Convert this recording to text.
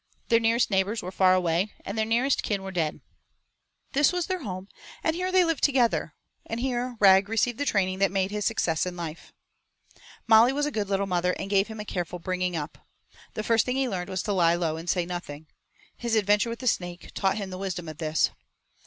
Their nearest neighbors were far away, and their nearest kin were dead. This was their home, and here they lived together, and here Rag received the training that made his success in life. Molly was a good little mother and gave him a careful bringing up. The first thing he learned was to lie low and say nothing. His adventure with the snake taught him the wisdom of this.